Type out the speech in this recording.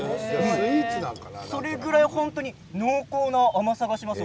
それぐらい本当に濃厚な味がします。